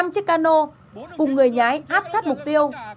năm chiếc cano cùng người nhái áp sát mục tiêu